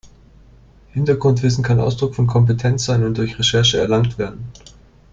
Hintergrundwissen kann Ausdruck von Kompetenz sein und durch Recherche erlangt werden.